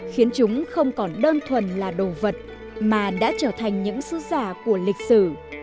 khiến chúng không còn đơn thuần là đồ vật mà đã trở thành những sứ giả của lịch sử